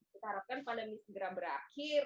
kita harapkan pandemi segera berakhir